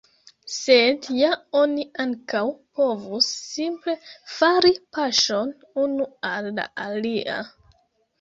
Sed ja oni ankaŭ povus simple fari paŝon unu al la alia.